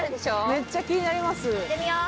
めっちゃ気になります。